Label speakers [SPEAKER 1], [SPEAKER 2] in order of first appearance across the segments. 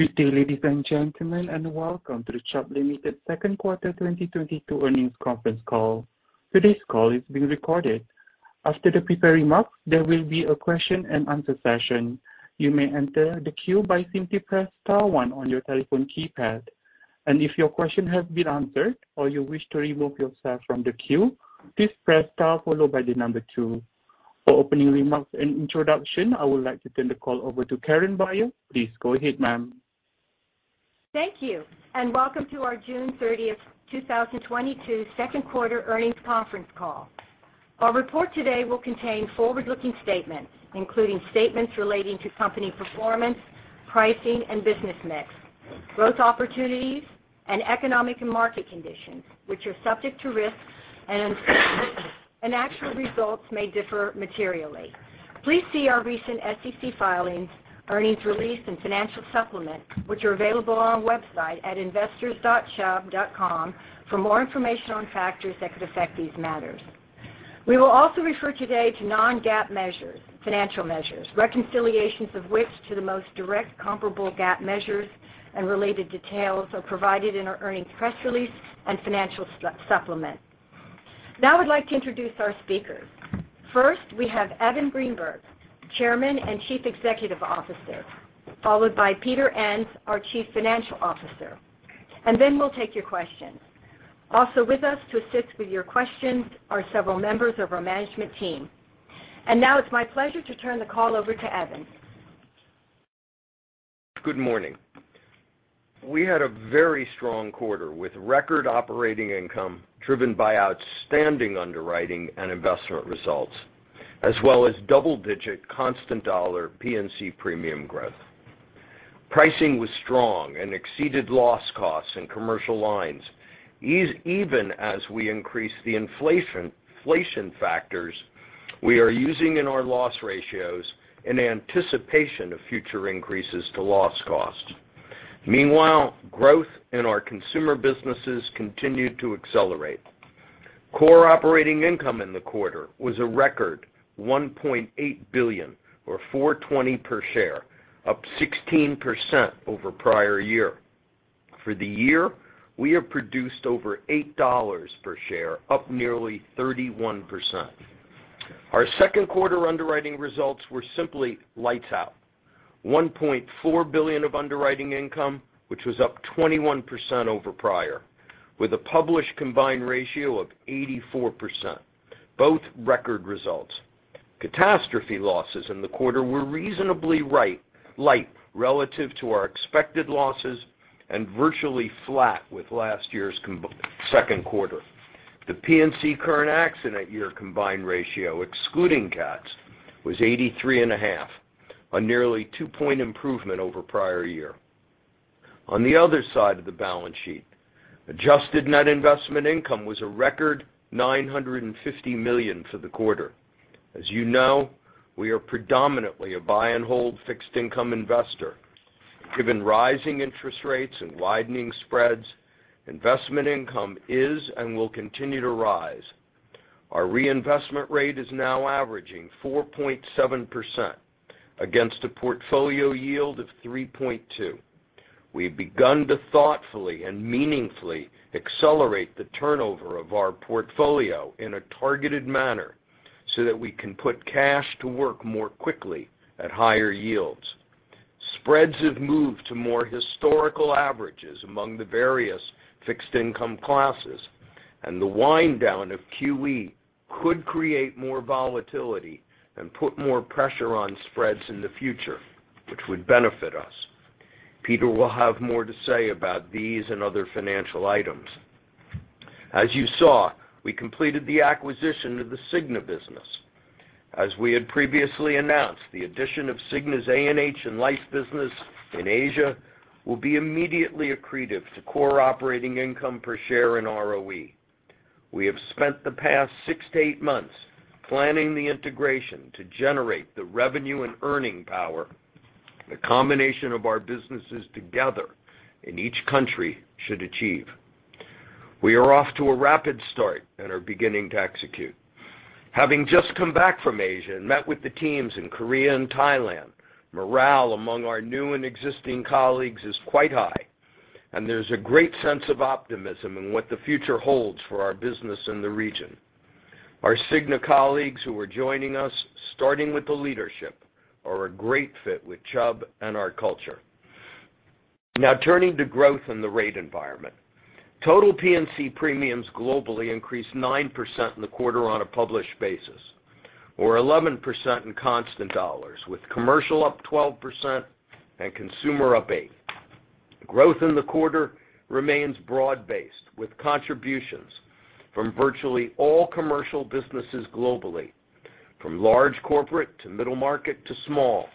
[SPEAKER 1] Good day, ladies and gentlemen, and welcome to the Chubb Limited Second Quarter 2022 Earnings Conference Call. Today's call is being recorded. After the prepared remarks, there will be a question-and-answer session. You may enter the queue by simply press star one on your telephone keypad. If your question has been answered or you wish to remove yourself from the queue, please press star followed by the number two. For opening remarks and introduction, I would like to turn the call over to Karen Beyer. Please go ahead, ma'am.
[SPEAKER 2] Thank you, and welcome to our June 30th 2022, Second Quarter Earnings Conference Call. Our report today will contain forward-looking statements, including statements relating to company performance, pricing, and business mix, growth opportunities, and economic and market conditions, which are subject to risks and actual results may differ materially. Please see our recent SEC filings, earnings release, and financial supplement, which are available on our website at investors.chubb.com for more information on factors that could affect these matters. We will also refer today to non-GAAP measures, financial measures, reconciliations of which to the most direct comparable GAAP measures and related details are provided in our earnings press release and financial supplement. Now I'd like to introduce our speakers. First, we have Evan Greenberg, Chairman and Chief Executive Officer, followed by Peter Enns, our Chief Financial Officer. Then we'll take your questions. Also with us to assist with your questions are several members of our management team. Now it's my pleasure to turn the call over to Evan.
[SPEAKER 3] Good morning. We had a very strong quarter with record operating income driven by outstanding underwriting and investment results, as well as double-digit constant dollar P&C premium growth. Pricing was strong and exceeded loss costs in commercial lines, even as we increased the inflation factors we are using in our loss ratios in anticipation of future increases to loss costs. Meanwhile, growth in our consumer businesses continued to accelerate. Core operating income in the quarter was a record $1.8 billion or $4.20 per share, up 16% over prior year. For the year, we have produced over $8 per share, up nearly 31%. Our second quarter underwriting results were simply lights out. $1.4 billion of underwriting income, which was up 21% over prior, with a published combined ratio of 84%, both record results. Catastrophe losses in the quarter were reasonably light relative to our expected losses and virtually flat with last year's second quarter. The P&C current accident year combined ratio, excluding cats, was 83.5, a nearly two-point improvement over prior year. On the other side of the balance sheet, adjusted net investment income was a record $950 million for the quarter. As you know, we are predominantly a buy-and-hold fixed-income investor. Given rising interest rates and widening spreads, investment income is and will continue to rise. Our reinvestment rate is now averaging 4.7% against a portfolio yield of 3.2%. We've begun to thoughtfully and meaningfully accelerate the turnover of our portfolio in a targeted manner so that we can put cash to work more quickly at higher yields. Spreads have moved to more historical averages among the various fixed income classes, and the wind down of QE could create more volatility and put more pressure on spreads in the future, which would benefit us. Peter will have more to say about these and other financial items. As you saw, we completed the acquisition of the Cigna business. As we had previously announced, the addition of Cigna's A&H and life business in Asia will be immediately accretive to core operating income per share in ROE. We have spent the past six to eight months planning the integration to generate the revenue and earning power the combination of our businesses together in each country should achieve. We are off to a rapid start and are beginning to execute. Having just come back from Asia and met with the teams in Korea and Thailand, morale among our new and existing colleagues is quite high, and there's a great sense of optimism in what the future holds for our business in the region. Our Cigna colleagues who are joining us, starting with the leadership, are a great fit with Chubb and our culture. Now turning to growth in the rate environment. Total P&C premiums globally increased 9% in the quarter on a published basis or 11% in constant dollars, with commercial up 12% and consumer up 8%. Growth in the quarter remains broad-based, with contributions from virtually all commercial businesses globally, from large corporate to middle market to small,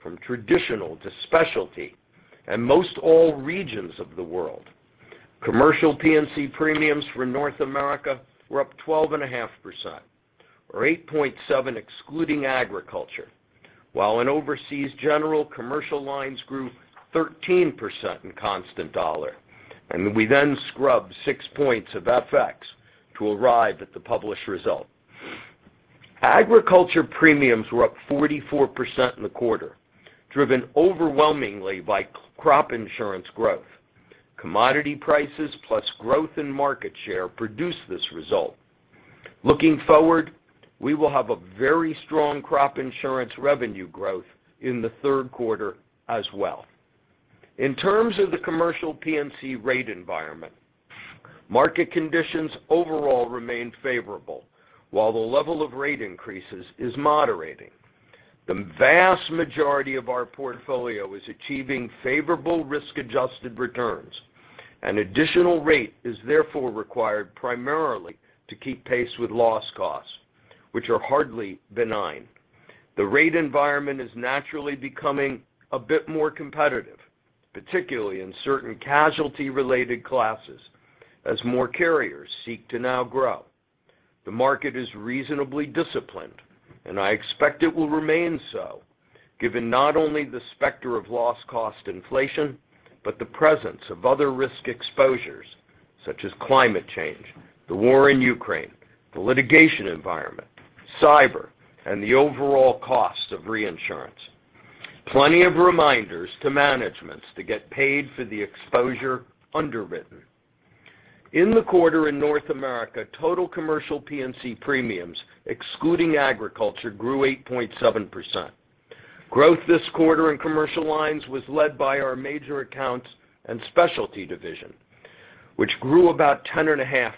[SPEAKER 3] from traditional to specialty, and most all regions of the world. Commercial P&C premiums for North America were up 12.5%, or 8.7% excluding agriculture, while in Overseas General commercial lines grew 13% in constant dollar, and we then scrubbed six points of FX to arrive at the published result. Agriculture premiums were up 44% in the quarter, driven overwhelmingly by crop insurance growth. Commodity prices plus growth in market share produced this result. Looking forward, we will have a very strong crop insurance revenue growth in the third quarter as well. In terms of the commercial P&C rate environment, market conditions overall remain favorable, while the level of rate increases is moderating. The vast majority of our portfolio is achieving favorable risk-adjusted returns, and additional rate is therefore required primarily to keep pace with loss costs, which are hardly benign. The rate environment is naturally becoming a bit more competitive, particularly in certain casualty-related classes as more carriers seek to now grow. The market is reasonably disciplined, and I expect it will remain so, given not only the specter of loss cost inflation, but the presence of other risk exposures such as climate change, the war in Ukraine, the litigation environment, cyber, and the overall cost of reinsurance. Plenty of reminders to managements to get paid for the exposure underwritten. In the quarter in North America, total commercial P&C premiums, excluding agriculture, grew 8.7%. Growth this quarter in commercial lines was led by our major accounts and specialty division, which grew about 10.5%,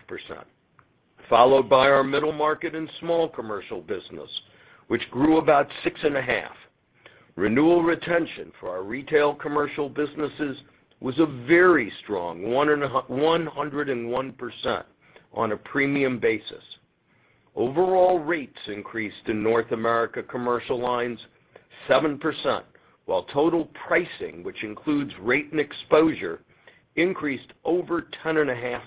[SPEAKER 3] followed by our middle market and small commercial business, which grew about 6.5%. Renewal retention for our retail commercial businesses was a very strong one and 101% on a premium basis. Overall rates increased in North America commercial lines 7%, while total pricing, which includes rate and exposure, increased over 10.5%.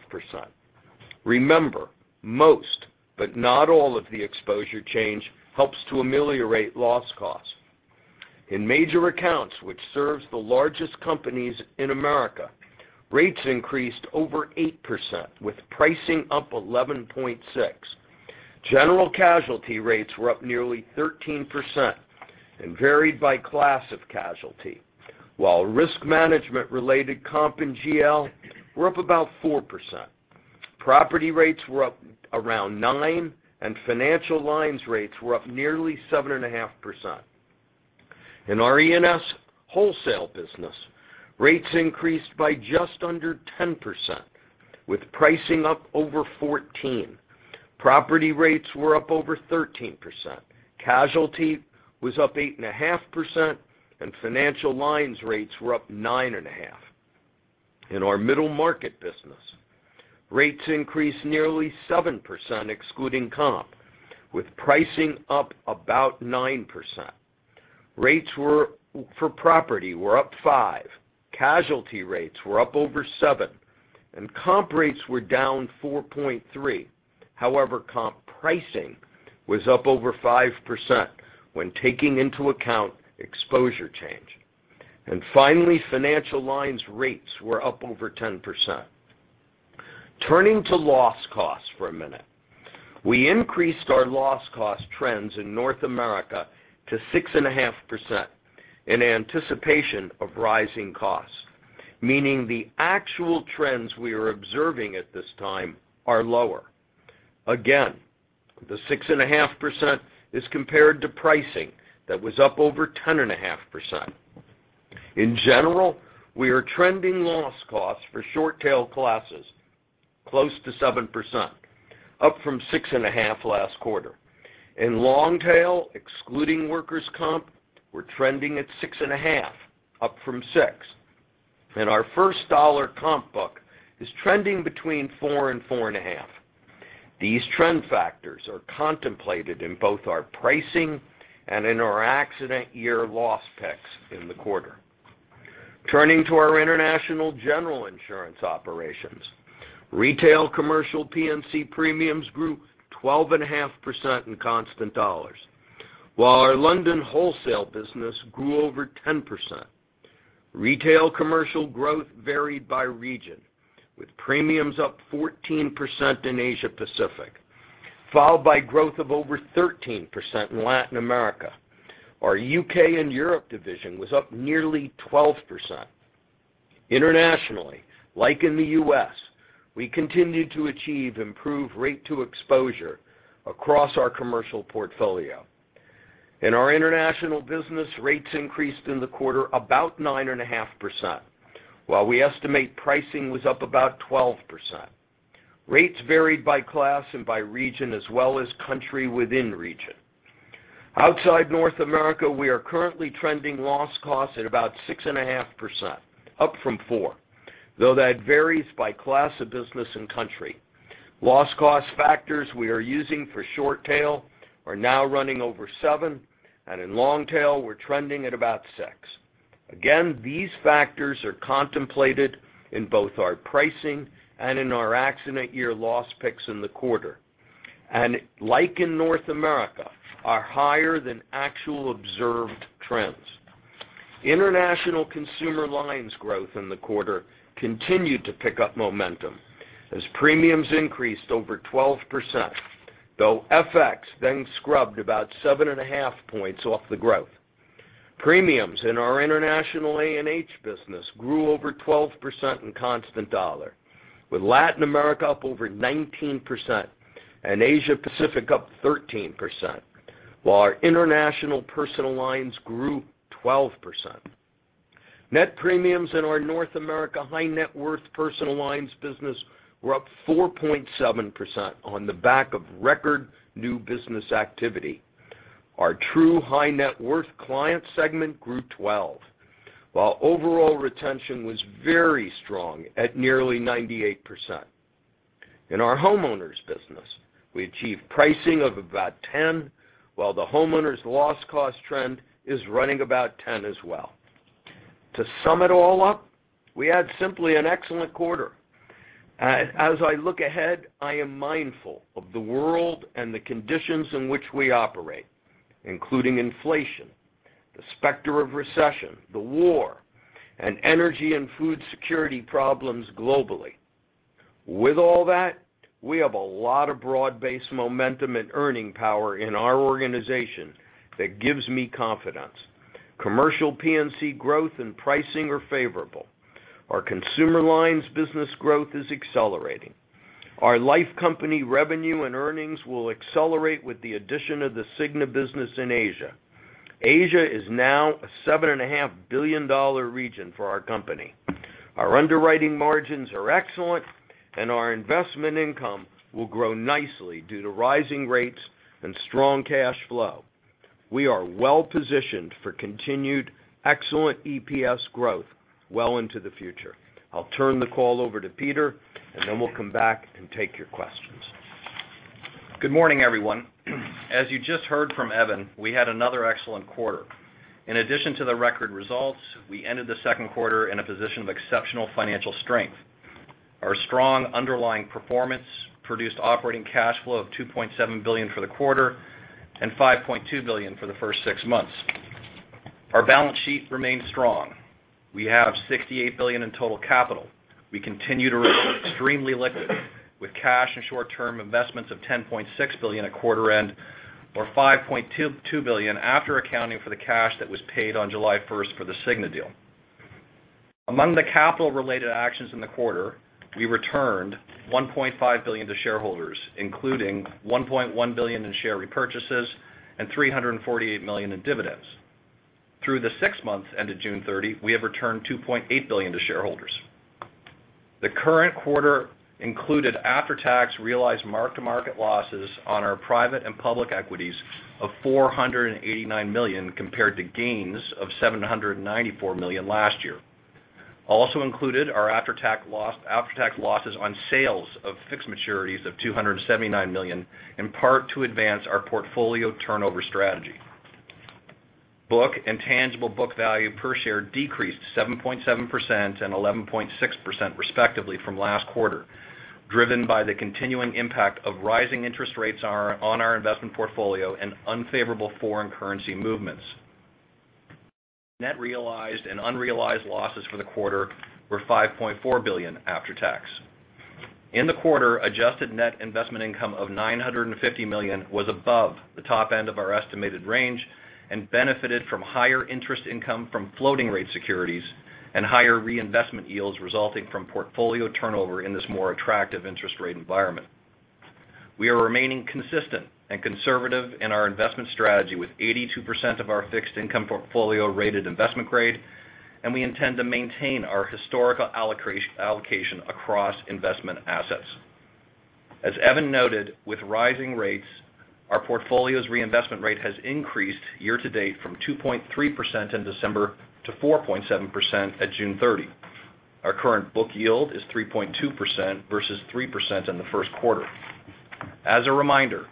[SPEAKER 3] Remember, most, but not all of the exposure change helps to ameliorate loss costs. In major accounts, which serves the largest companies in America, rates increased over 8%, with pricing up 11.6%. General casualty rates were up nearly 13% and varied by class of casualty, while risk management-related comp and GL were up about 4%. Property rates were up around 9%, and financial lines rates were up nearly 7.5%. In our E&S wholesale business, rates increased by just under 10%, with pricing up over 14%. Property rates were up over 13%. Casualty was up 8.5%, and financial lines rates were up 9.5%. In our middle market business, rates increased nearly 7% excluding comp, with pricing up about 9%. For property, rates were up 5%. Casualty rates were up over 7%, and comp rates were down 4.3%. However, comp pricing was up over 5% when taking into account exposure change. Finally, financial lines rates were up over 10%. Turning to loss costs for a minute, we increased our loss cost trends in North America to 6.5% in anticipation of rising costs, meaning the actual trends we are observing at this time are lower. Again, the 6.5% is compared to pricing that was up over 10.5%. In general, we are trending loss costs for short tail classes close to 7%, up from 6.5% last quarter. In long tail, excluding workers' comp, we're trending at 6.5%, up from 6%. Our first dollar comp book is trending between 4% and 4.5%. These trend factors are contemplated in both our pricing and in our accident year loss picks in the quarter. Turning to our international general insurance operations, retail commercial P&C premiums grew 12.5% in constant dollars, while our London wholesale business grew over 10%. Retail commercial growth varied by region, with premiums up 14% in Asia-Pacific, followed by growth of over 13% in Latin America. Our U.K. And Europe division was up nearly 12%. Internationally, like in the U.S., we continued to achieve improved rate to exposure across our commercial portfolio. In our international business, rates increased in the quarter about 9.5%, while we estimate pricing was up about 12%. Rates varied by class and by region as well as country within region. Outside North America, we are currently trending loss costs at about 6.5%, up from 4%, though that varies by class of business and country. Loss cost factors we are using for short tail are now running over 7%, and in long tail, we're trending at about 6%. Again, these factors are contemplated in both our pricing and in our accident year loss picks in the quarter, and like in North America, are higher than actual observed trends. International consumer lines growth in the quarter continued to pick up momentum as premiums increased over 12%, though FX then scrubbed about 7.5 points off the growth. Premiums in our international A&H business grew over 12% in constant dollar, with Latin America up over 19% and Asia Pacific up 13%, while our international personal lines grew 12%. Net premiums in our North America high net worth personal lines business were up 4.7% on the back of record new business activity. Our true high net worth client segment grew 12%, while overall retention was very strong at nearly 98%. In our homeowners business, we achieved pricing of about 10%, while the homeowners loss cost trend is running about 10% as well. To sum it all up, we had simply an excellent quarter. As I look ahead, I am mindful of the world and the conditions in which we operate, including inflation, the specter of recession, the war, and energy and food security problems globally. With all that, we have a lot of broad-based momentum and earning power in our organization that gives me confidence. Commercial P&C growth and pricing are favorable. Our consumer lines business growth is accelerating. Our life company revenue and earnings will accelerate with the addition of the Cigna business in Asia. Asia is now a $7.5 billion region for our company. Our underwriting margins are excellent, and our investment income will grow nicely due to rising rates and strong cash flow. We are well-positioned for continued excellent EPS growth well into the future. I'll turn the call over to Peter, and then we'll come back and take your questions.
[SPEAKER 4] Good morning, everyone. As you just heard from Evan, we had another excellent quarter. In addition to the record results, we ended the second quarter in a position of exceptional financial strength. Our strong underlying performance produced operating cash flow of $2.7 billion for the quarter and $5.2 billion for the first six months. Our balance sheet remains strong. We have $68 billion in total capital. We continue to remain extremely liquid with cash and short-term investments of $10.6 billion at quarter end, or $5.22 billion after accounting for the cash that was paid on July first for the Cigna deal. Among the capital-related actions in the quarter, we returned $1.5 billion to shareholders, including $1.1 billion in share repurchases and $348 million in dividends. Through the six months ended June 30, we have returned $2.8 billion to shareholders. The current quarter included after-tax realized mark-to-market losses on our private and public equities of $489 million compared to gains of $794 million last year. Also included are after-tax losses on sales of fixed maturities of $279 million, in part to advance our portfolio turnover strategy. Book and tangible book value per share decreased 7.7% and 11.6% respectively from last quarter, driven by the continuing impact of rising interest rates on our investment portfolio and unfavorable foreign currency movements. Net realized and unrealized losses for the quarter were $5.4 billion after tax. In the quarter, adjusted net investment income of $950 million was above the top end of our estimated range and benefited from higher interest income from floating rate securities and higher reinvestment yields resulting from portfolio turnover in this more attractive interest rate environment. We are remaining consistent and conservative in our investment strategy with 82% of our fixed income portfolio rated investment grade, and we intend to maintain our historical allocation across investment assets. As Evan noted, with rising rates, our portfolio's reinvestment rate has increased year to date from 2.3% in December to 4.7% at June 30. Our current book yield is 3.2% versus 3% in the first quarter. As a reminder,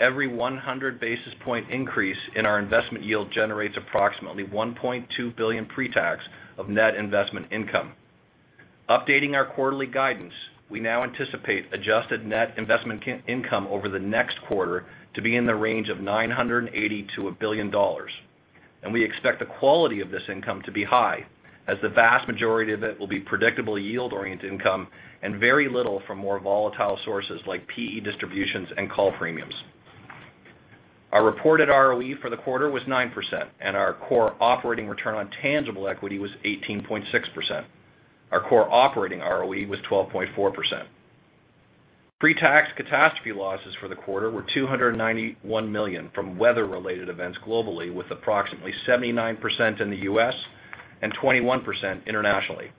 [SPEAKER 4] every 100 basis points increase in our investment yield generates approximately $1.2 billion pre-tax of net investment income. Updating our quarterly guidance, we now anticipate adjusted net investment income over the next quarter to be in the range of $980 million-$1 billion, and we expect the quality of this income to be high as the vast majority of it will be predictable yield-oriented income and very little from more volatile sources like PE distributions and call premiums. Our reported ROE for the quarter was 9%, and our core operating return on tangible equity was 18.6%. Our core operating ROE was 12.4%. Pre-tax catastrophe losses for the quarter were $291 million from weather-related events globally, with approximately 79% in the U.S. and 21% internationally.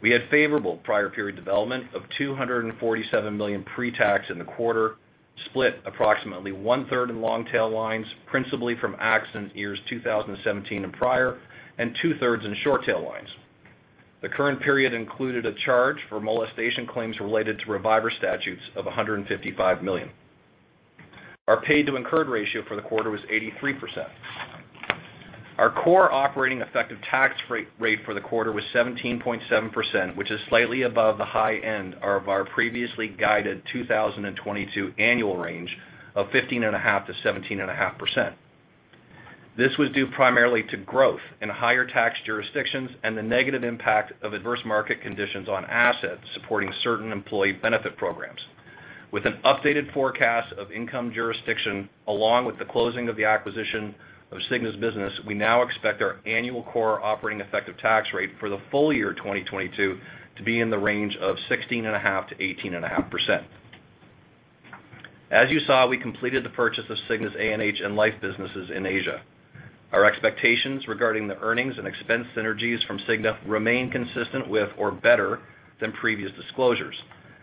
[SPEAKER 4] We had favorable prior period development of $247 million pre-tax in the quarter, split approximately 1/3 in long-tail lines, principally from accident years 2017 and prior, and 2/3s in short-tail lines. The current period included a charge for molestation claims related to reviver statutes of $155 million. Our paid-to-incurred ratio for the quarter was 83%. Our core operating effective tax rate for the quarter was 17.7%, which is slightly above the high end of our previously guided 2022 annual range of 15.5%-17.5%.
[SPEAKER 3] This was due primarily to growth in higher tax jurisdictions and the negative impact of adverse market conditions on assets supporting certain employee benefit programs. With an updated forecast of income mix and jurisdiction, along with the closing of the acquisition of Cigna's business, we now expect our annual core operating effective tax rate for the full year 2022 to be in the range of 16.5%-18.5%. As you saw, we completed the purchase of Cigna's A&H and life businesses in Asia. Our expectations regarding the earnings and expense synergies from Cigna remain consistent with or better than previous disclosures.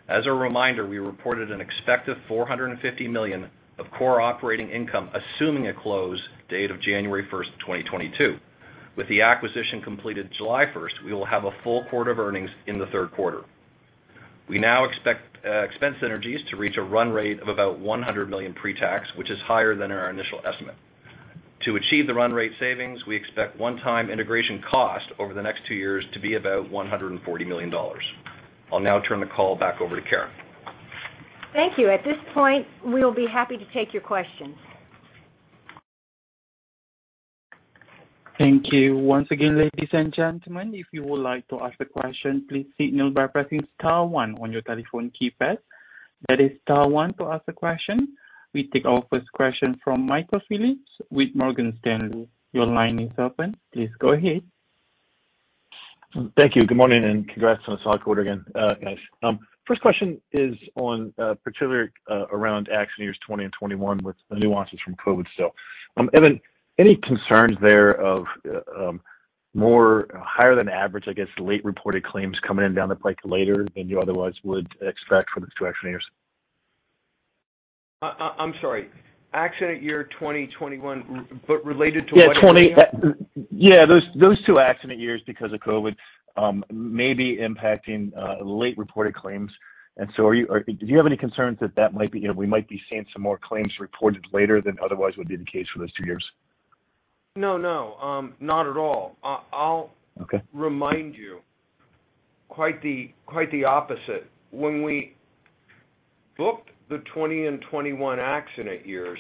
[SPEAKER 3] As a reminder, we reported an expected $450 million of core operating income, assuming a close date of January 1st, 2022. With the acquisition completed July 1st, we will have a full quarter of earnings in the third quarter. We now expect expense synergies to reach a run rate of about $100 million pre-tax, which is higher than our initial estimate. To achieve the run rate savings, we expect one-time integration costs over the next two years to be about $140 million. I'll now turn the call back over to Karen.
[SPEAKER 2] Thank you. At this point, we will be happy to take your questions.
[SPEAKER 1] Thank you. Once again, ladies and gentlemen, if you would like to ask a question, please signal by pressing star one on your telephone keypad. That is star one to ask a question. We take our first question from Michael Phillips with Morgan Stanley. Your line is open. Please go ahead.
[SPEAKER 5] Thank you. Good morning, and congrats on a solid quarter again, guys. First question is on, particularly, around accident years 2020 and 2021 with the nuances from COVID still. Evan, any concerns there of more higher-than-average, I guess, late-reported claims coming in down the pike later than you otherwise would expect from those two accident years?
[SPEAKER 3] I'm sorry, accident year 2021 related to what again?
[SPEAKER 5] Yeah, those two accident years because of COVID may be impacting late-reported claims. Are you or do you have any concerns that that might be, you know, we might be seeing some more claims reported later than otherwise would be the case for those two years?
[SPEAKER 3] No, no, not at all.
[SPEAKER 5] Okay.
[SPEAKER 3] Remind you quite the opposite. When we booked the 2020 and 2021 accident years,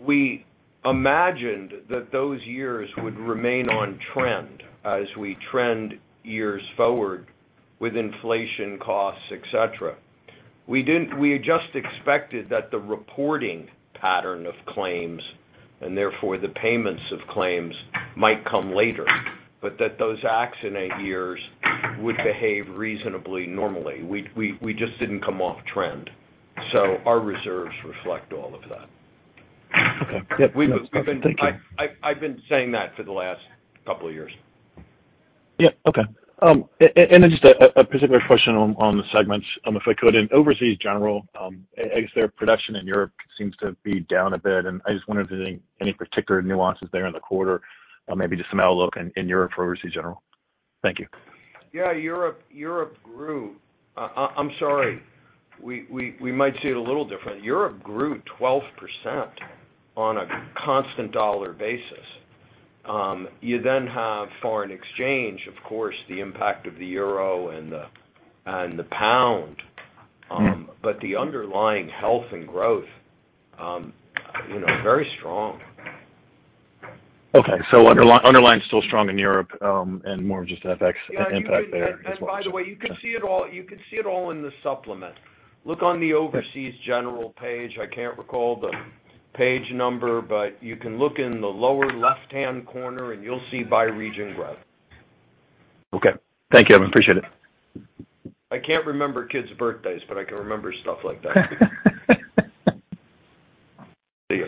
[SPEAKER 3] we imagined that those years would remain on trend as we trend years forward with inflation costs, et cetera. We just expected that the reporting pattern of claims, and therefore the payments of claims might come later, but that those accident years would behave reasonably normally. We just didn't come off trend, so our reserves reflect all of that.
[SPEAKER 5] Okay. Yeah. No. Okay. Thank you.
[SPEAKER 3] I've been saying that for the last couple of years.
[SPEAKER 5] Yeah. Okay. Then just a particular question on the segments, if I could. In Overseas General, I guess their production in Europe seems to be down a bit, and I just wondered if there are any particular nuances there in the quarter or maybe just some outlook in Europe for Overseas General. Thank you.
[SPEAKER 3] Yeah, Europe grew. I'm sorry. We might see it a little different. Europe grew 12% on a constant dollar basis. You then have foreign exchange, of course, the impact of the euro and the pound.
[SPEAKER 5] Mm-hmm.
[SPEAKER 3] The underlying health and growth, you know, very strong.
[SPEAKER 5] Underlying is still strong in Europe, and more of just FX impact there as well.
[SPEAKER 3] By the way, you can see it all in the supplement. Look on the Overseas General page. I can't recall the page number, but you can look in the lower left-hand corner, and you'll see by region growth.
[SPEAKER 5] Okay. Thank you, Evan. Appreciate it.
[SPEAKER 3] I can't remember kids' birthdays, but I can remember stuff like that. See you.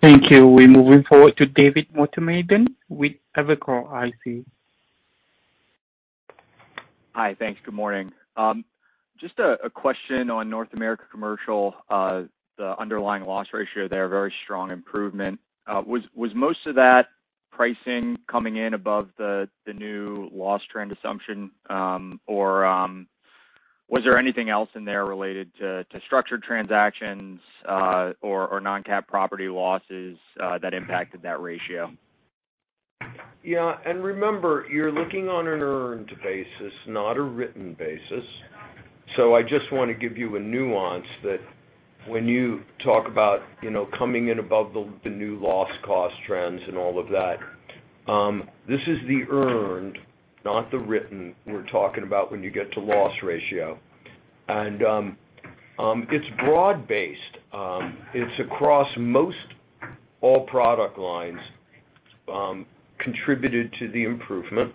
[SPEAKER 1] Thank you. We're moving forward to David Motemaden with Evercore ISI.
[SPEAKER 6] Hi. Thanks. Good morning. Just a question on North America Commercial. The underlying loss ratio there, very strong improvement. Was most of that pricing coming in above the new loss trend assumption, or was there anything else in there related to structured transactions, or non-cat property losses, that impacted that ratio?
[SPEAKER 3] Yeah. Remember, you're looking on an earned basis, not a written basis. I just want to give you a nuance that when you talk about, you know, coming in above the new loss cost trends and all of that, this is the earned, not the written we're talking about when you get to loss ratio. It's broad-based. It's across most all product lines, contributed to the improvement.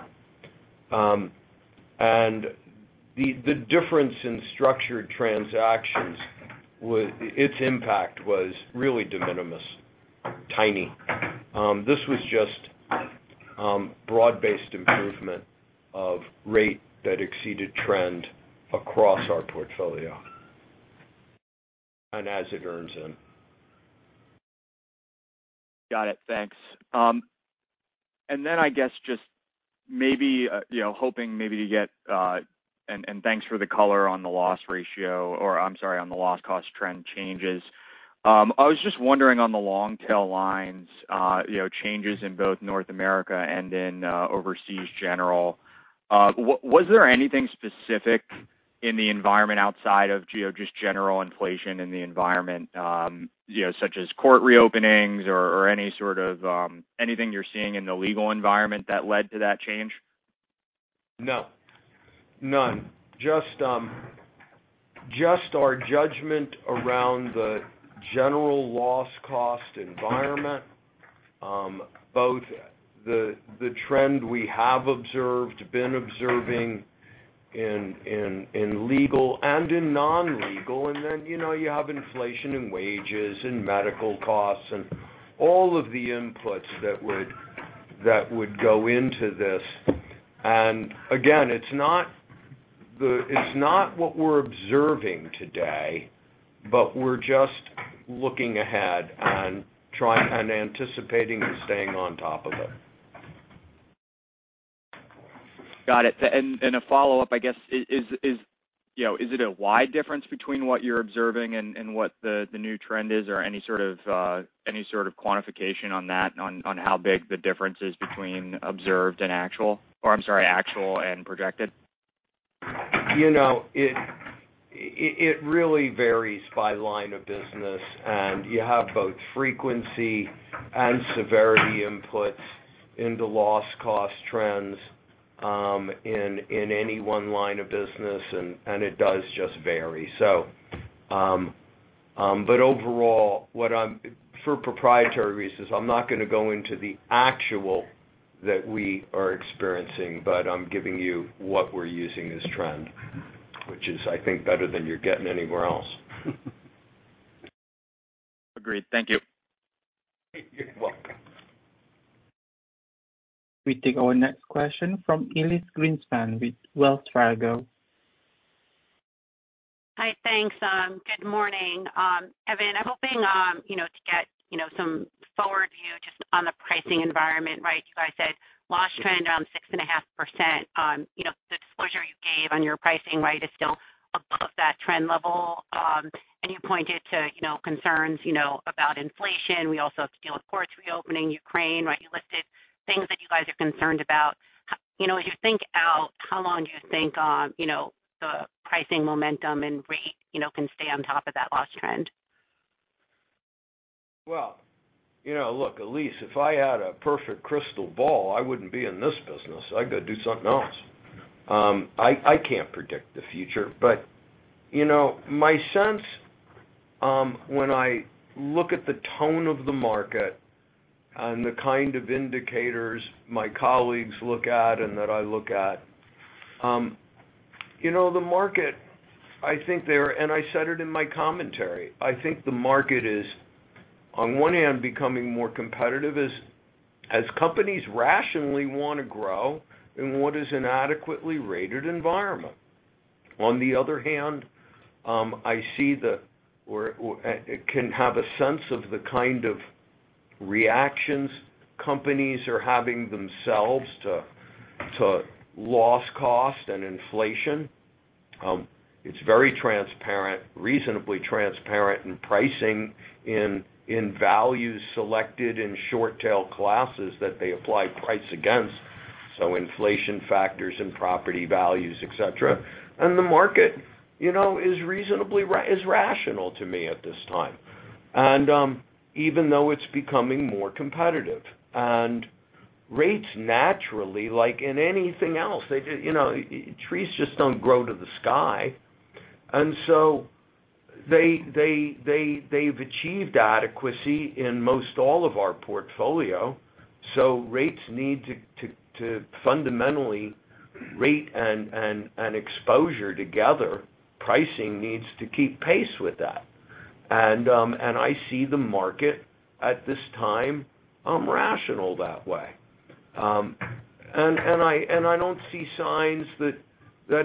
[SPEAKER 3] The difference in structured transactions, its impact was really de minimis, tiny. This was just broad-based improvement of rate that exceeded trend across our portfolio, and as it earns in.
[SPEAKER 6] Got it. Thanks. I guess just maybe, you know, hoping maybe to get, and thanks for the color on the loss ratio or I'm sorry, on the loss cost trend changes. I was just wondering on the long tail lines, you know, changes in both North America and in Overseas General. Was there anything specific in the environment outside of geo, just general inflation in the environment, you know, such as court reopenings or any sort of, anything you're seeing in the legal environment that led to that change?
[SPEAKER 3] No. None. Just our judgment around the general loss cost environment, both the trend we have observed, been observing in legal and in non-legal, and then, you know, you have inflation in wages and medical costs and all of the inputs that would go into this. Again, it's not what we're observing today, but we're just looking ahead and trying and anticipating and staying on top of it.
[SPEAKER 6] Got it. A follow-up, I guess, is you know, is it a wide difference between what you're observing and what the new trend is? Or any sort of quantification on that, on how big the difference is between observed and actual? Or I'm sorry, actual and projected.
[SPEAKER 3] You know, it really varies by line of business. You have both frequency and severity inputs into loss cost trends, in any one line of business. It does just vary. Overall, what I'm for proprietary reasons, I'm not gonna go into the actual that we are experiencing, but I'm giving you what we're using as trend, which is, I think, better than you're getting anywhere else.
[SPEAKER 6] Agreed. Thank you.
[SPEAKER 3] You're welcome.
[SPEAKER 1] We take our next question from Elyse Greenspan with Wells Fargo.
[SPEAKER 7] Hi. Thanks. Good morning. Evan, I'm hoping, you know, to get, you know, some forward view just on the pricing environment, right? You guys said loss trend around 6.5%. You know, the disclosure you gave on your pricing right is still above that trend level. You pointed to, you know, concerns, you know, about inflation. We also have to deal with courts reopening, Ukraine, right? You listed things that you guys are concerned about. You know, as you think out, how long do you think, you know, the pricing momentum and rate, you know, can stay on top of that loss trend?
[SPEAKER 3] Well, you know, look, Elyse, if I had a perfect crystal ball, I wouldn't be in this business. I'd go do something else. I can't predict the future, but, you know, my sense, when I look at the tone of the market and the kind of indicators my colleagues look at and that I look at, you know, the market, I think, and I said it in my commentary, I think the market is on one hand becoming more competitive as companies rationally wanna grow in what is an adequately rated environment. On the other hand, I see that or we can have a sense of the kind of reactions companies are having themselves to loss costs and inflation. It's very transparent, reasonably transparent in pricing, in values selected in short tail classes that they apply price against, so inflation factors and property values, et cetera. The market, you know, is reasonably rational to me at this time, even though it's becoming more competitive. Rates naturally, like in anything else, you know, trees just don't grow to the sky. They've achieved adequacy in most all of our portfolio. Rates need to fundamentally re-rate and exposure together. Pricing needs to keep pace with that. I don't see signs that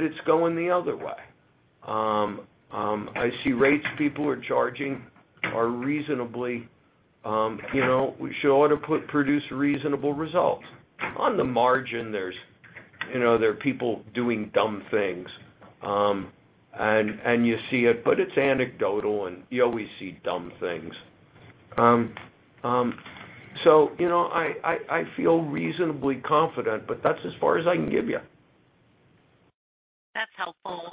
[SPEAKER 3] it's going the other way. I see rates people are charging are reasonably, you know, we should ought to produce reasonable results. On the margin, there's, you know, there are people doing dumb things, and you see it, but it's anecdotal and you always see dumb things. So, you know, I feel reasonably confident, but that's as far as I can give you.
[SPEAKER 7] That's helpful.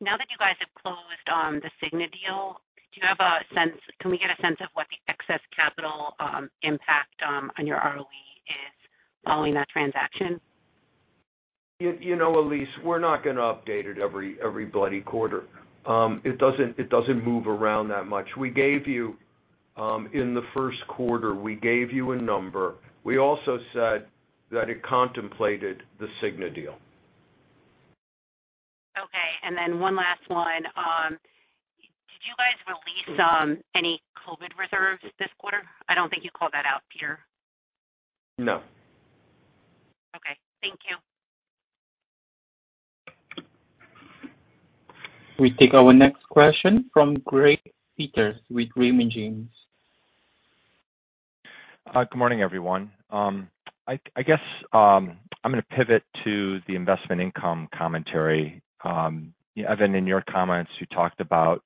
[SPEAKER 7] Now that you guys have closed on the Cigna deal, can we get a sense of what the excess capital impact on your ROE is following that transaction?
[SPEAKER 3] You know, Elyse, we're not gonna update it every bloody quarter. It doesn't move around that much. We gave you, in the first quarter, we gave you a number. We also said that it contemplated the Cigna deal.
[SPEAKER 7] Okay. Then one last one. Did you guys release any COVID reserves this quarter? I don't think you called that out, Peter.
[SPEAKER 4] No.
[SPEAKER 7] Okay. Thank you.
[SPEAKER 1] We take our next question from Greg Peters with Raymond James.
[SPEAKER 8] Good morning, everyone. I guess I'm gonna pivot to the investment income commentary. Evan, in your comments, you talked about,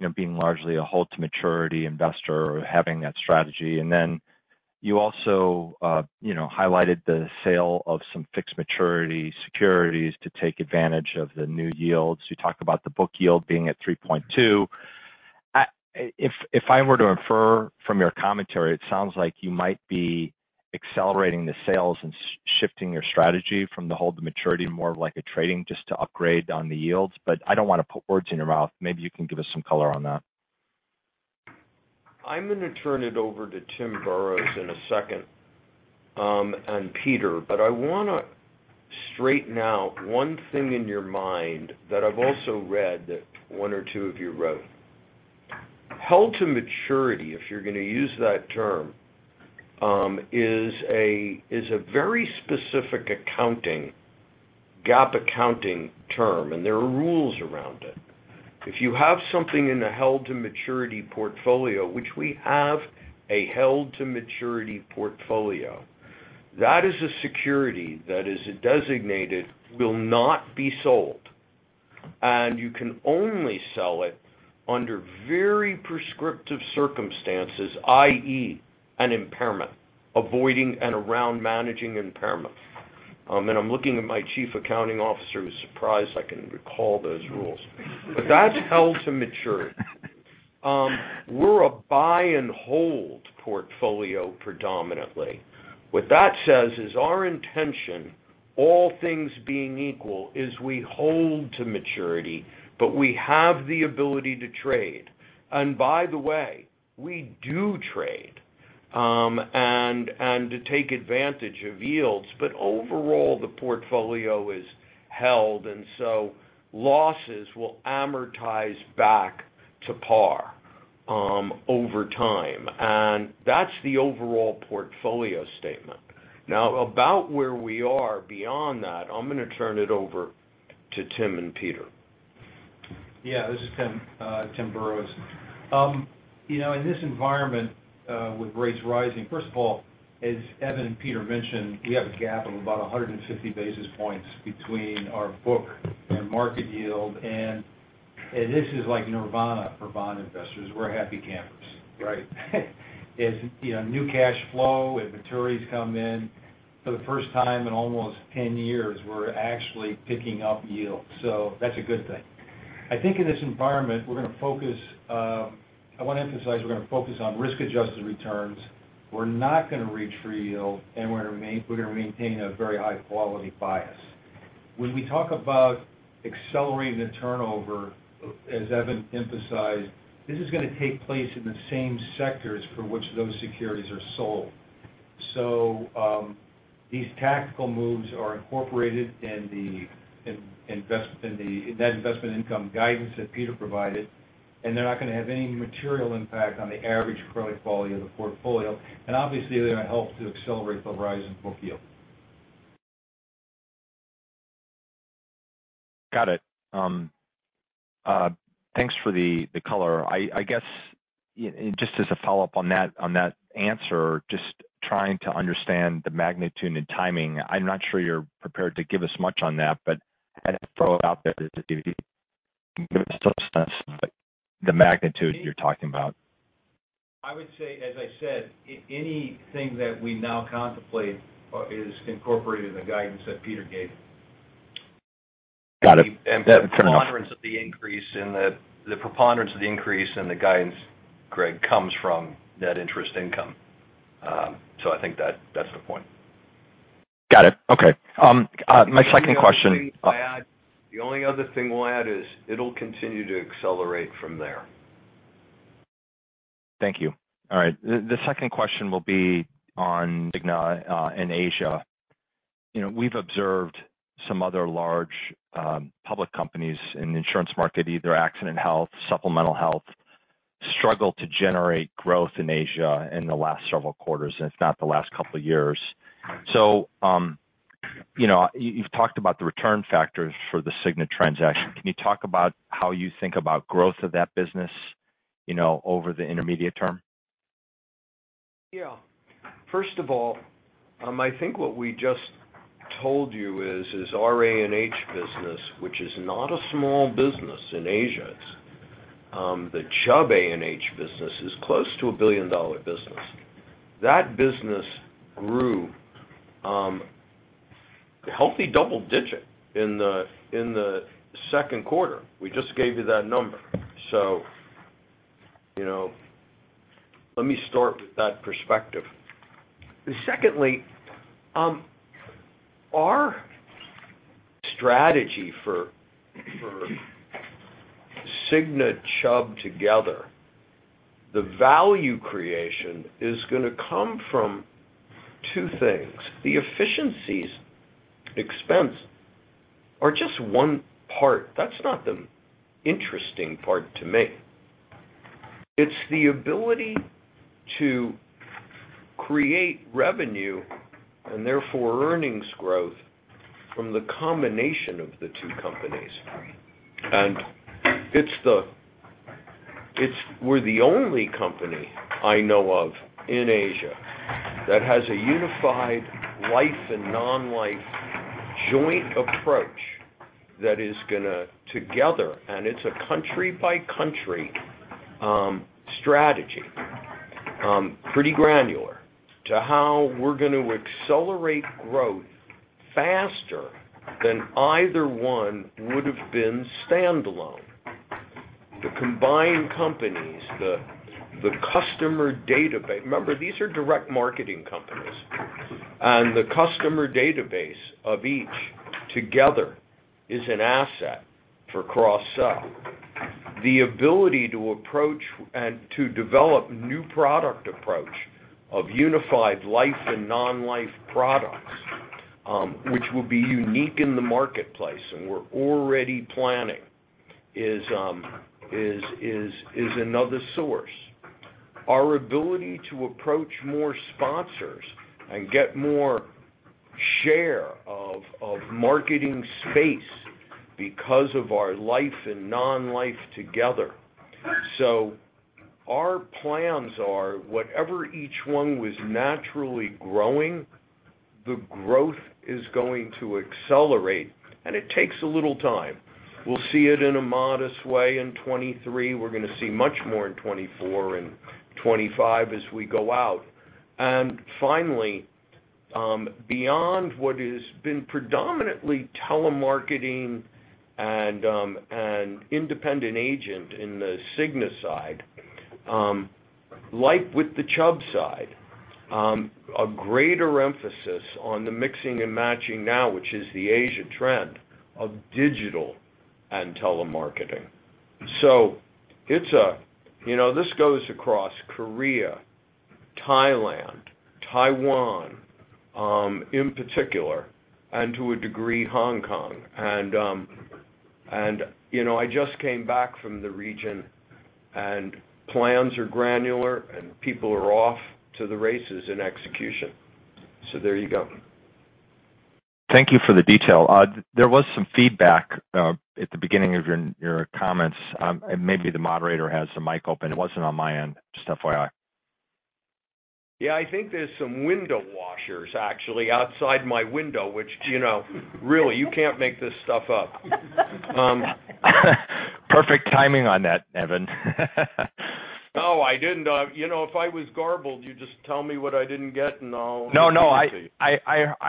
[SPEAKER 8] you know, being largely a held-to-maturity investor or having that strategy, and then You also, you know, highlighted the sale of some held-to-maturity securities to take advantage of the new yields. You talked about the book yield being at 3.2%. If I were to infer from your commentary, it sounds like you might be accelerating the sales and shifting your strategy from held-to-maturity, more of like a trading just to upgrade on the yields. I don't wanna put words in your mouth. Maybe you can give us some color on that.
[SPEAKER 3] I'm gonna turn it over to Tim Boroughs in a second, and Peter. I wanna straighten out one thing in your mind that I've also read that one or two of you wrote. Held-to-maturity, if you're gonna use that term, is a very specific GAAP accounting term, and there are rules around it. If you have something in a held-to-maturity portfolio, which we have a held-to-maturity portfolio, that is a security that is designated will not be sold. You can only sell it under very prescriptive circumstances, i.e., an impairment. I'm looking at my chief accounting officer, who's surprised I can recall those rules. That's held-to-maturity. We're a buy-and-hold portfolio predominantly. What that says is our intention, all things being equal, is we hold to maturity, but we have the ability to trade. By the way, we do trade, and to take advantage of yields. Overall, the portfolio is held, and so losses will amortize back to par, over time. That's the overall portfolio statement. Now about where we are beyond that, I'm gonna turn it over to Tim and Peter.
[SPEAKER 9] Yeah. This is Tim, Tim Boroughs. You know, in this environment, with rates rising, first of all, as Evan and Peter mentioned, we have a gap of about 150 basis points between our book and market yield. This is like nirvana for bond investors. We're happy campers, right? As you know, new cash flow and maturities come in, for the first time in almost 10 years, we're actually picking up yield. That's a good thing. I think in this environment, we're gonna focus. I wanna emphasize we're gonna focus on risk-adjusted returns. We're not gonna reach for yield, and we're gonna maintain a very high quality bias. When we talk about accelerating the turnover, as Evan emphasized, this is gonna take place in the same sectors for which those securities are sold. These tactical moves are incorporated in the net investment income guidance that Peter provided, and they're not gonna have any material impact on the average credit quality of the portfolio. Obviously, they're gonna help to accelerate the rise in book yield.
[SPEAKER 8] Got it. Thanks for the color. I guess just as a follow-up on that answer, just trying to understand the magnitude and timing. I'm not sure you're prepared to give us much on that, but had to throw it out there to see if you can give us some sense of the magnitude you're talking about.
[SPEAKER 9] I would say, as I said, anything that we now contemplate is incorporated in the guidance that Peter gave.
[SPEAKER 8] Got it. That's enough.
[SPEAKER 4] The preponderance of the increase in the guidance, Greg, comes from net interest income. I think that's the point.
[SPEAKER 8] Got it. Okay. My second question.
[SPEAKER 3] The only other thing we'll add is it'll continue to accelerate from there.
[SPEAKER 8] Thank you. All right. The second question will be on Cigna in Asia. You know, we've observed some other large public companies in the insurance market, either accident health, supplemental health, struggle to generate growth in Asia in the last several quarters, and if not the last couple of years. You know, you've talked about the return factors for the Cigna transaction. Can you talk about how you think about growth of that business, you know, over the intermediate term?
[SPEAKER 3] Yeah. First of all, I think what we just told you is our A&H business, which is not a small business in Asia. The Chubb A&H business is close to a billion-dollar business. That business grew healthy double-digit in the second quarter. We just gave you that number. You know, let me start with that perspective. Secondly, our strategy for Cigna Chubb together, the value creation is gonna come from two things. The efficiencies expense are just one part. That's not the interesting part to me. It's the ability to create revenue, and therefore earnings growth from the combination of the two companies. It's we're the only company I know of in Asia that has a unified life and non-life joint approach that is going to together, and it's a country-by-country strategy, pretty granular to how we're going to accelerate growth faster than either one would have been standalone. The combined companies, the customer database. Remember, these are direct marketing companies, and the customer database of each together is an asset for cross sell. The ability to approach and to develop new product approach of unified life and non-life products, which will be unique in the marketplace, and we're already planning, is another source. Our ability to approach more sponsors and get more share of marketing space because of our life and non-life together. Our plans are, whatever each one was naturally growing, the growth is going to accelerate, and it takes a little time. We'll see it in a modest way in 2023. We're going to see much more in 2024 and 2025 as we go out. Finally, beyond what has been predominantly telemarketing and independent agent in the Cigna side, like with the Chubb side, a greater emphasis on the mixing and matching now, which is the Asian trend of digital and telemarketing. It's, you know, this goes across Korea, Thailand, Taiwan, in particular, and to a degree, Hong Kong. You know, I just came back from the region, and plans are granular, and people are off to the races in execution. There you go.
[SPEAKER 8] Thank you for the detail. There was some feedback at the beginning of your comments. Maybe the moderator has the mic open. It wasn't on my end, just FYI.
[SPEAKER 3] Yeah. I think there's some window washers actually outside my window, which, you know, really, you can't make this stuff up.
[SPEAKER 8] Perfect timing on that, Evan.
[SPEAKER 3] No, I didn't. You know, if I was garbled, you just tell me what I didn't get, and I'll-
[SPEAKER 8] No, I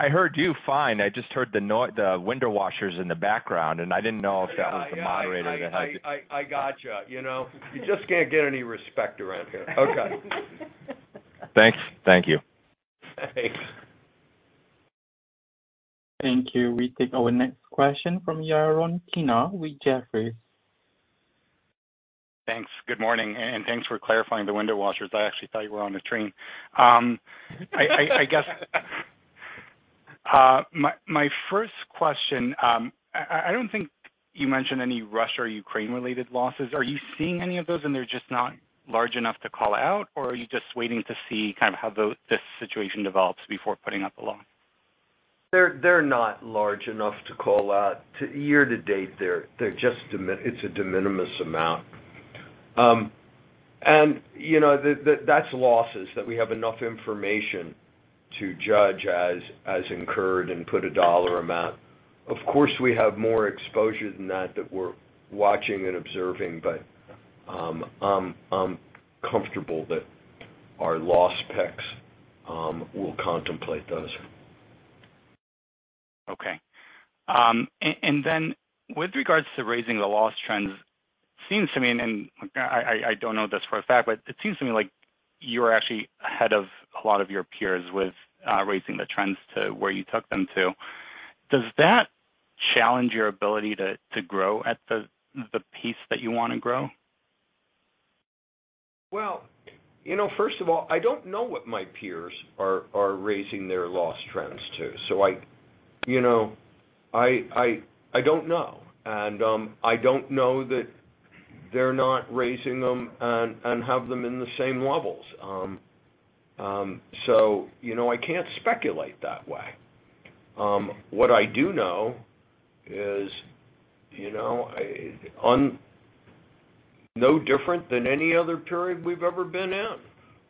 [SPEAKER 8] heard you fine. I just heard the window washers in the background, and I didn't know if that was the moderator that had the-
[SPEAKER 3] I gotcha, you know. You just can't get any respect around here. Okay.
[SPEAKER 8] Thanks. Thank you.
[SPEAKER 3] Thanks.
[SPEAKER 1] Thank you. We take our next question from Yaron Kinar with Jefferies.
[SPEAKER 10] Thanks. Good morning, and thanks for clarifying the window washers. I actually thought you were on a train. I guess my first question, I don't think you mentioned any Russia or Ukraine-related losses. Are you seeing any of those and they're just not large enough to call out, or are you just waiting to see kind of how this situation develops before putting up a loss?
[SPEAKER 3] They're not large enough to call out. Year to date, it's a de minimis amount. You know, that's losses that we have enough information to judge as incurred and put a dollar amount. Of course, we have more exposure than that we're watching and observing, but I'm comfortable that our loss specs will contemplate those.
[SPEAKER 10] Okay. With regards to raising the loss trends, seems to me, I don't know this for a fact, but it seems to me like you're actually ahead of a lot of your peers with raising the trends to where you took them to. Does that challenge your ability to grow at the pace that you wanna grow?
[SPEAKER 3] Well, you know, first of all, I don't know what my peers are raising their loss trends to. I, you know, I don't know. I don't know that they're not raising them and have them in the same levels. You know, I can't speculate that way. What I do know is, you know, no different than any other period we've ever been in.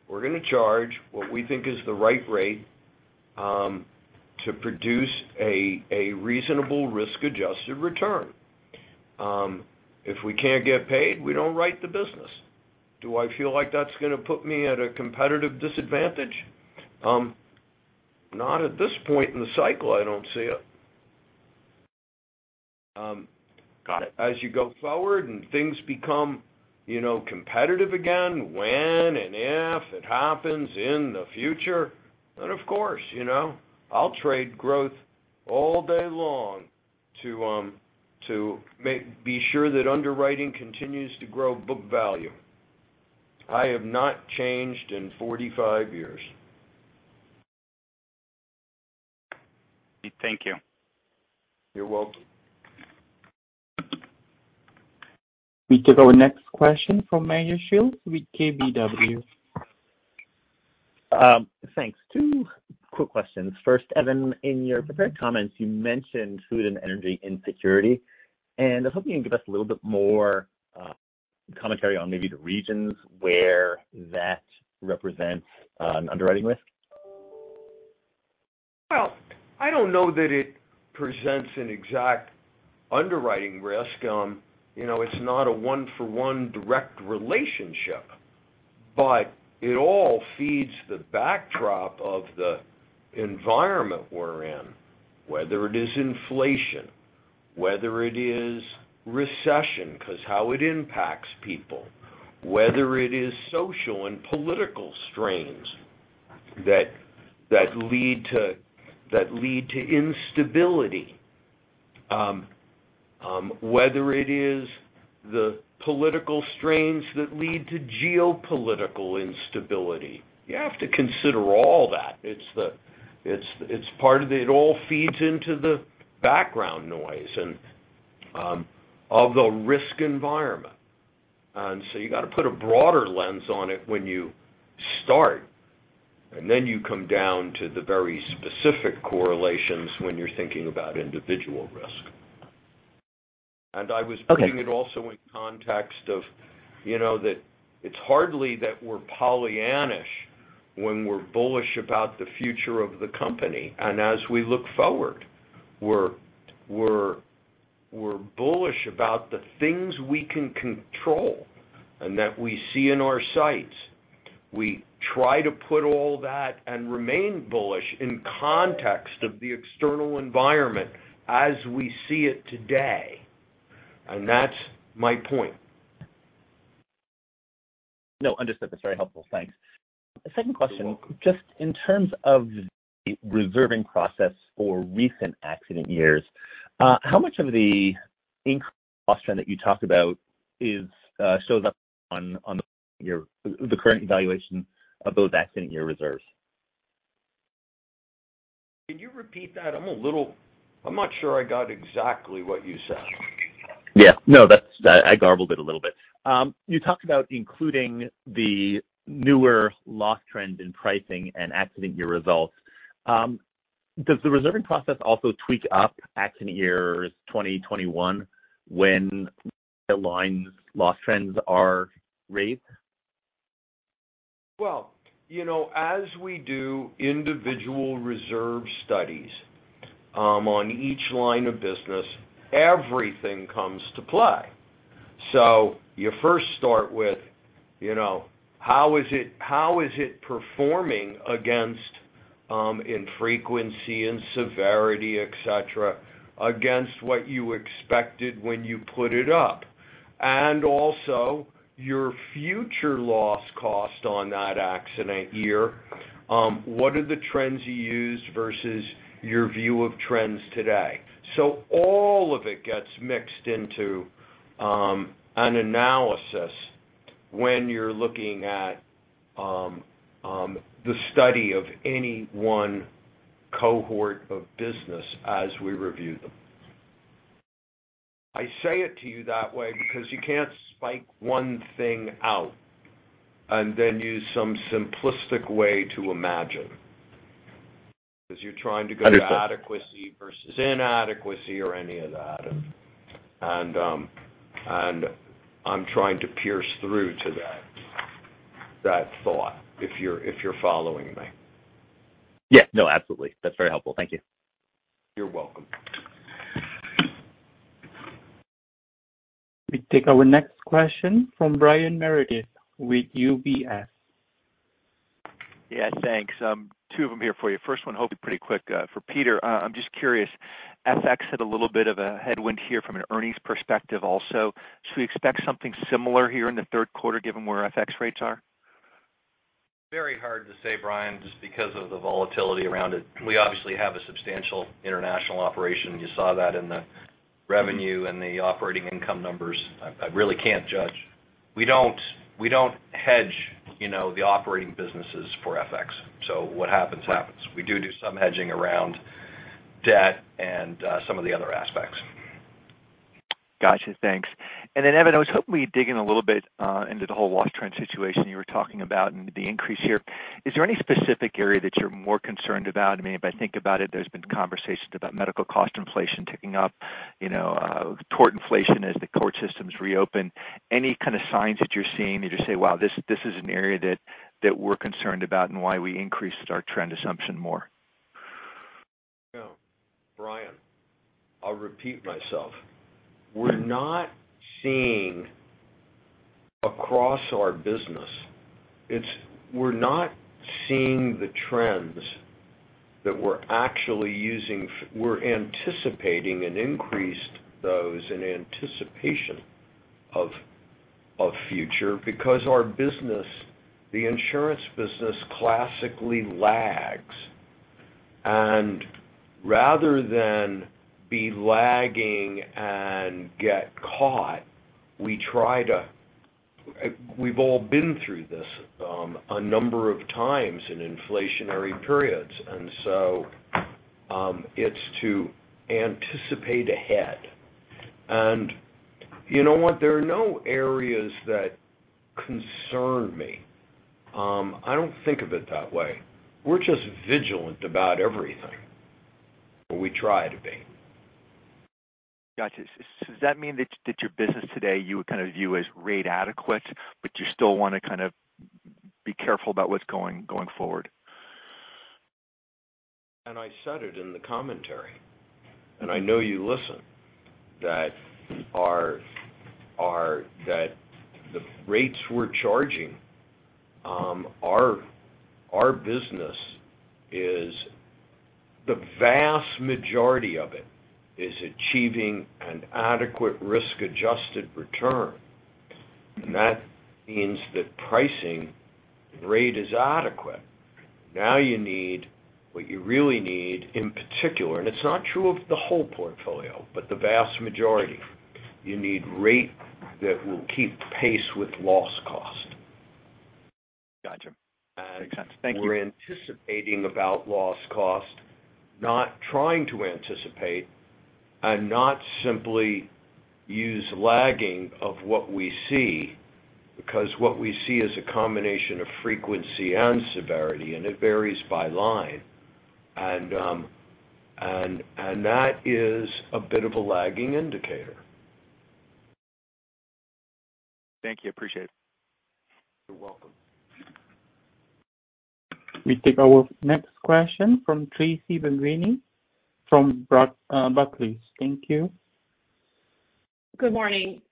[SPEAKER 3] We're gonna charge what we think is the right rate to produce a reasonable risk-adjusted return. If we can't get paid, we don't write the business. Do I feel like that's gonna put me at a competitive disadvantage? Not at this point in the cycle, I don't see it.
[SPEAKER 10] Got it.
[SPEAKER 3] As you go forward and things become, you know, competitive again, when and if it happens in the future, then of course, you know. I'll trade growth all day long to be sure that underwriting continues to grow book value. I have not changed in 45 years.
[SPEAKER 10] Thank you.
[SPEAKER 3] You're welcome.
[SPEAKER 1] We take our next question from Meyer Shields with KBW.
[SPEAKER 11] Thanks. Two quick questions. First, Evan, in your prepared comments, you mentioned food and energy insecurity, and I was hoping you can give us a little bit more commentary on maybe the regions where that represents an underwriting risk.
[SPEAKER 3] Well, I don't know that it presents an exact underwriting risk. You know, it's not a one-for-one direct relationship, but it all feeds the backdrop of the environment we're in, whether it is inflation, whether it is recession, because how it impacts people, whether it is social and political strains that lead to instability. Whether it is the political strains that lead to geopolitical instability. You have to consider all that. It's part of it all feeds into the background noise and of the risk environment. You got to put a broader lens on it when you start, and then you come down to the very specific correlations when you're thinking about individual risk. I was putting it also in context of, you know, that it's hardly that we're pollyannish when we're bullish about the future of the company. As we look forward, we're bullish about the things we can control and that we see in our sights. We try to put all that and remain bullish in context of the external environment as we see it today. That's my point.
[SPEAKER 11] No, understood. That's very helpful. Thanks.
[SPEAKER 3] You're welcome.
[SPEAKER 11] Second question, just in terms of the reserving process for recent accident years, how much of the increased loss trend that you talked about is, shows up on the current evaluation of those accident year reserves?
[SPEAKER 3] Can you repeat that? I'm not sure I got exactly what you said.
[SPEAKER 11] Yeah. No, that's, I garbled it a little bit. You talked about including the newer loss trend in pricing and accident year results. Does the reserving process also tweak up accident years 2020, 2021 when the lines loss trends are raised?
[SPEAKER 3] Well, you know, as we do individual reserve studies on each line of business, everything comes to play. You first start with, you know, how is it performing against in frequency and severity, etc., against what you expected when you put it up? Also your future loss cost on that accident year, what are the trends you used versus your view of trends today? All of it gets mixed into an analysis when you're looking at the study of any one cohort of business as we review them. I say it to you that way because you can't pick one thing out and then use some simplistic way to imagine as you're trying to go to adequacy versus inadequacy or any of that. I'm trying to pierce through to that thought, if you're following me.
[SPEAKER 11] Yeah. No, absolutely. That's very helpful. Thank you.
[SPEAKER 3] You're welcome.
[SPEAKER 1] We take our next question from Brian Meredith with UBS.
[SPEAKER 12] Yeah, thanks. Two of them here for you. First one, hopefully pretty quick. For Peter, I'm just curious, FX had a little bit of a headwind here from an earnings perspective also. Should we expect something similar here in the third quarter, given where FX rates are?
[SPEAKER 4] Very hard to say, Brian, just because of the volatility around it. We obviously have a substantial international operation. You saw that in the revenue and the operating income numbers. I really can't judge. We don't hedge, you know, the operating businesses for FX. So what happens. We do some hedging around debt and some of the other aspects.
[SPEAKER 12] Got you. Thanks. Evan, I was hoping we'd dig in a little bit into the whole loss trend situation you were talking about and the increase here. Is there any specific area that you're more concerned about? I mean, if I think about it, there's been conversations about medical cost inflation ticking up, you know, tort inflation as the court systems reopen. Any kind of signs that you're seeing that you say, "Wow, this is an area that we're concerned about and why we increased our trend assumption more.
[SPEAKER 3] Yeah. Brian, I'll repeat myself. We're not seeing across our business. It's we're not seeing the trends that we're actually using. We're anticipating an increase in those in anticipation of future because our business, the insurance business, classically lags. Rather than be lagging and get caught, we try to. We've all been through this a number of times in inflationary periods. It's to anticipate ahead. You know what? There are no areas that concern me. I don't think of it that way. We're just vigilant about everything. Or we try to be.
[SPEAKER 12] Gotcha. Does that mean that your business today, you would kind of view as rate adequate, but you still want to kind of be careful about what's going forward?
[SPEAKER 3] I said it in the commentary, and I know you listen, that the rates we're charging, our business is the vast majority of it is achieving an adequate risk-adjusted return. That means that pricing rate is adequate. Now you need what you really need, in particular, and it's not true of the whole portfolio, but the vast majority. You need rate that will keep pace with loss cost.
[SPEAKER 12] Gotcha. Makes sense. Thank you.
[SPEAKER 3] We're anticipating about loss cost, not trying to anticipate and not simply use lagging of what we see, because what we see is a combination of frequency and severity, and it varies by line. That is a bit of a lagging indicator.
[SPEAKER 12] Thank you. Appreciate it.
[SPEAKER 3] You're welcome.
[SPEAKER 1] We take our next question from Tracy Benguigui from Barclays. Thank you.
[SPEAKER 13] Good morning.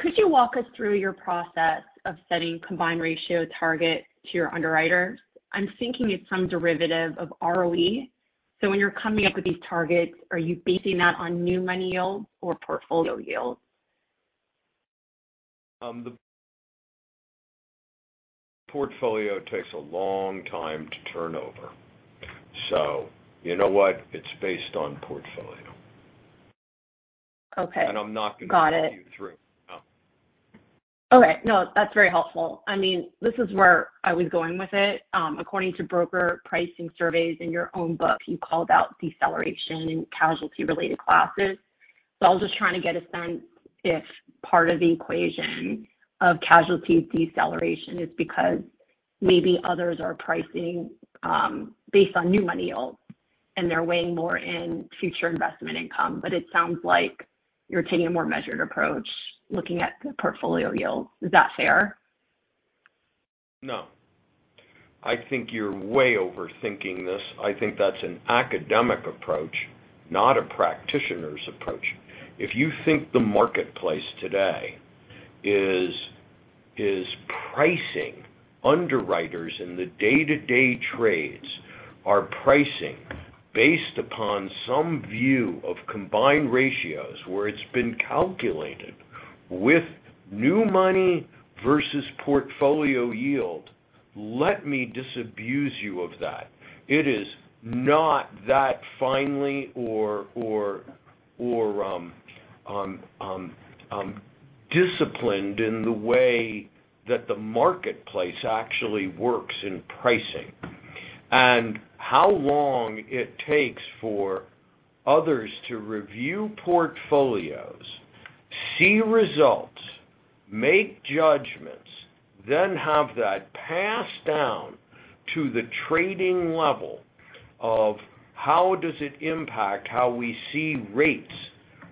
[SPEAKER 13] Could you walk us through your process of setting combined ratio target to your underwriters? I'm thinking it's some derivative of ROE. When you're coming up with these targets, are you basing that on new money yield or portfolio yield?
[SPEAKER 3] The portfolio takes a long time to turn over. You know what? It's based on portfolio.
[SPEAKER 13] Okay.
[SPEAKER 3] And I'm not gonna-
[SPEAKER 13] Got it.
[SPEAKER 3] No.
[SPEAKER 13] Okay. No, that's very helpful. I mean, this is where I was going with it. According to broker pricing surveys in your own book, you called out deceleration in casualty-related classes. I was just trying to get a sense if part of the equation of casualty deceleration is because maybe others are pricing based on new money yield, and they're weighing more in future investment income. It sounds like you're taking a more measured approach looking at the portfolio yield. Is that fair?
[SPEAKER 3] No. I think you're way overthinking this. I think that's an academic approach, not a practitioner's approach. If you think the marketplace today is pricing underwriters in the day-to-day trades are pricing based upon some view of combined ratios, where it's been calculated with new money versus portfolio yield, let me disabuse you of that. It is not that finely disciplined in the way that the marketplace actually works in pricing. How long it takes for others to review portfolios, see results, make judgments, then have that passed down to the trading level of how does it impact how we see rates,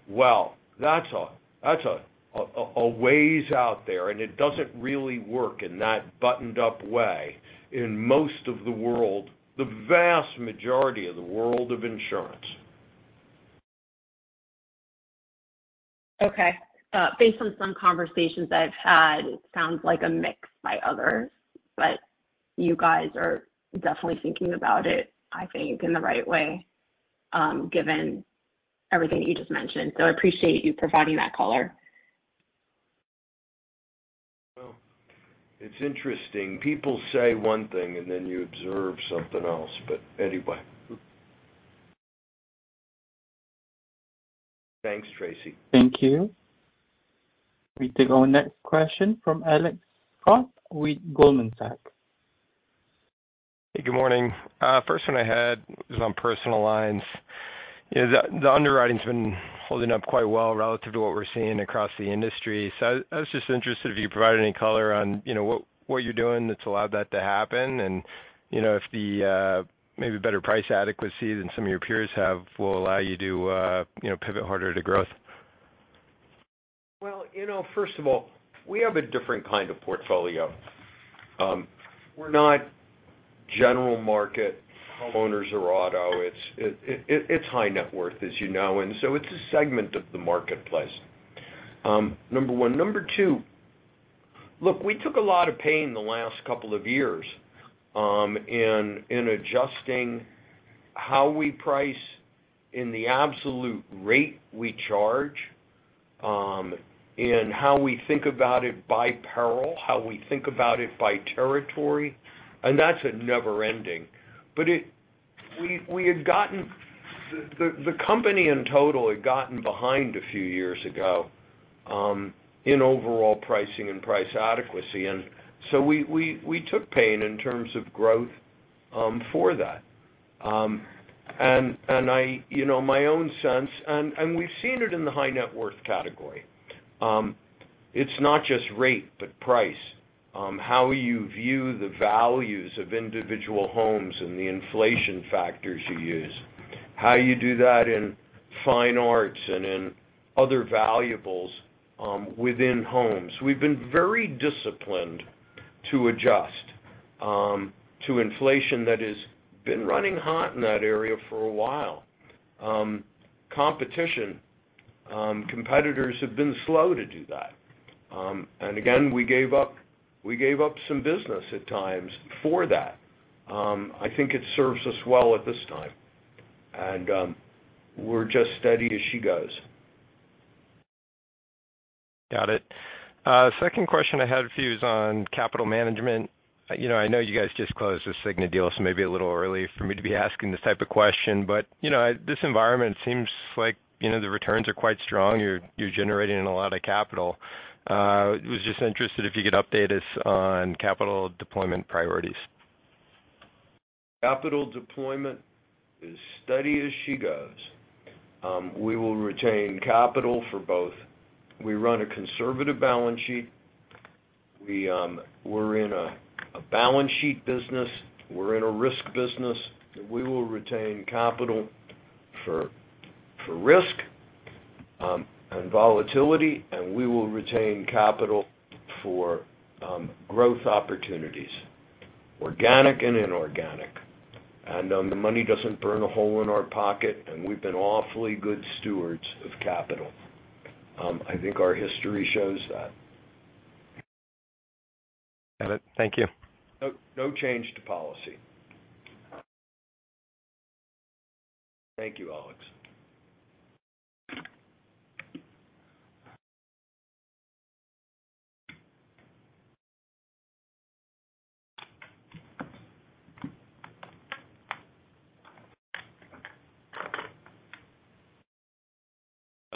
[SPEAKER 3] well, that's a ways out there, and it doesn't really work in that buttoned-up way in most of the world, the vast majority of the world of insurance.
[SPEAKER 13] Okay. Based on some conversations I've had, it sounds like a mix by others, but you guys are definitely thinking about it, I think, in the right way, given everything that you just mentioned. I appreciate you providing that color.
[SPEAKER 3] Well, it's interesting. People say one thing, and then you observe something else. Anyway. Thanks, Tracy.
[SPEAKER 1] Thank you. We take our next question from Alex Scott with Goldman Sachs.
[SPEAKER 14] Hey, good morning. First one I had was on personal lines. You know, the underwriting's been holding up quite well relative to what we're seeing across the industry. I was just interested if you provide any color on, you know, what you're doing that's allowed that to happen. You know, if the maybe better price adequacy than some of your peers have, will allow you to, you know, pivot harder to growth.
[SPEAKER 3] Well, you know, first of all, we have a different kind of portfolio. We're not general market homeowners or auto. It's high net worth, as you know, and so it's a segment of the marketplace. Number one. Number two, look, we took a lot of pain the last couple of years, in adjusting how we price in the absolute rate we charge, in how we think about it by peril, how we think about it by territory, and that's a never-ending. The company in total had gotten behind a few years ago, in overall pricing and price adequacy, we took pain in terms of growth, for that. I You know, my own sense, and we've seen it in the high net worth category. It's not just rate, but price. How you view the values of individual homes and the inflation factors you use, how you do that in fine arts and in other valuables within homes. We've been very disciplined to adjust to inflation that has been running hot in that area for a while. Competition, competitors have been slow to do that. Again, we gave up some business at times for that. I think it serves us well at this time, and we're just steady as she goes.
[SPEAKER 14] Got it. Second question I had for you is on capital management. You know, I know you guys just closed the Cigna deal, so it may be a little early for me to be asking this type of question, but, you know, this environment seems like, you know, the returns are quite strong. You're generating a lot of capital. Was just interested if you could update us on capital deployment priorities.
[SPEAKER 3] Capital deployment is steady as she goes. We will retain capital for both. We run a conservative balance sheet. We're in a balance sheet business. We're in a risk business, and we will retain capital for risk, and volatility, and we will retain capital for growth opportunities, organic and inorganic. The money doesn't burn a hole in our pocket, and we've been awfully good stewards of capital. I think our history shows that.
[SPEAKER 14] Got it. Thank you.
[SPEAKER 3] No, no change to policy. Thank you, Alex.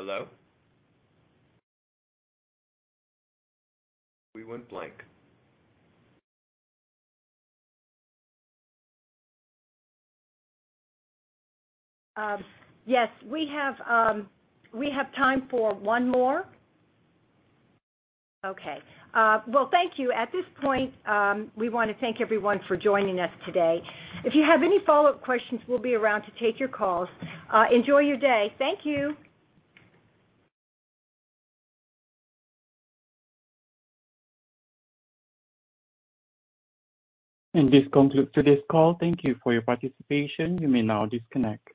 [SPEAKER 3] Hello? We went blank.
[SPEAKER 2] Yes, we have time for one more. Okay. Well, thank you. At this point, we wanna thank everyone for joining us today. If you have any follow-up questions, we'll be around to take your calls. Enjoy your day. Thank you.
[SPEAKER 1] This concludes today's call. Thank you for your participation. You may now disconnect.